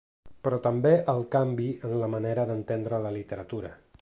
Però també el canvi en la manera d’entendre la literatura.